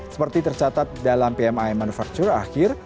seperti tercatat dalam pmi manufacture akhir